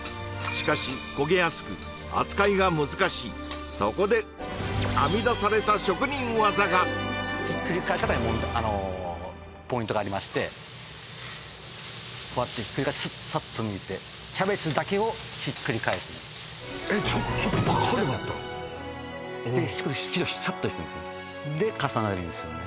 しかし焦げやすく扱いが難しいそこで編み出された職人技がひっくり返し方にポイントがありましてこうやってひっくり返してさっと抜いてキャベツだけをひっくり返すえちょっとわかんなかった引く時さっと引くんですねで重ねるんすよね